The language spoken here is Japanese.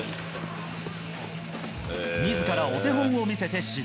みずからお手本を見せて指導。